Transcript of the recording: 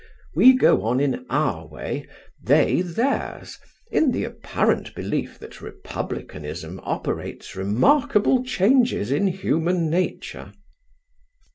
We go on in our way; they theirs, in the apparent belief that Republicanism operates remarkable changes in human nature.